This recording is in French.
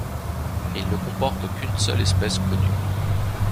Il ne comporte qu'une seule espèce connue.